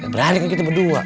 berani kan kita berdua